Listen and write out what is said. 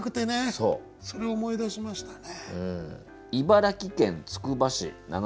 それを思い出しましたね。